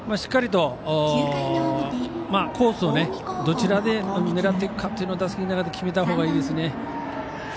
しっかりコースをどちらで狙っていくか打席の中で決めたほうがいいですね。